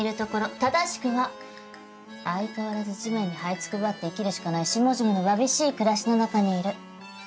正しくは相変わらず地面にはいつくばって生きるしかない下々のわびしい暮らしの中にいる。